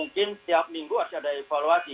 mungkin setiap minggu harus ada evaluasi